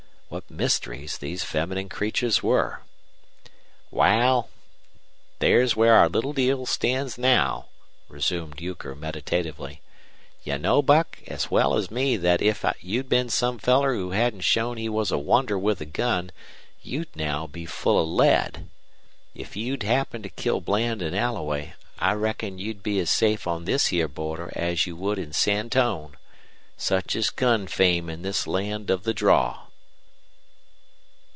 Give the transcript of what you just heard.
What mysteries these feminine creatures were! "Wal, there's where our little deal stands now," resumed Euchre, meditatively. "You know, Buck, as well as me thet if you'd been some feller who hadn't shown he was a wonder with a gun you'd now be full of lead. If you'd happen to kill Bland an' Alloway, I reckon you'd be as safe on this here border as you would in Santone. Such is gun fame in this land of the draw."